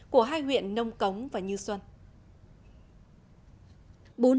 của hai huyện nông cống và như xuân